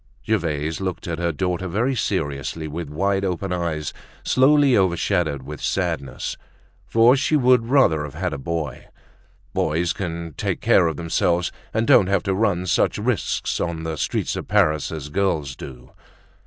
Gervaise looked at her daughter very seriously, with wide open eyes, slowly overshadowed with sadness, for she would rather have had a boy. Boys can talk care of themselves and don't have to run such risks on the streets of Paris as girls do.